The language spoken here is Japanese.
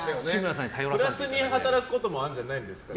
プラスに働くこともあるんじゃないですか。